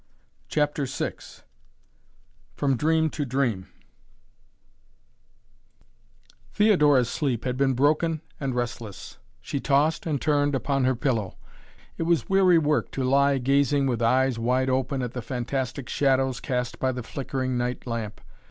CHAPTER VI FROM DREAM TO DREAM Theodora's sleep had been broken and restless. She tossed and turned upon her pillow. It was weary work to lie gazing with eyes wide open at the fantastic shadows cast by the flickering night lamp.